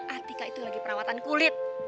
atika itu lagi perawatan kulit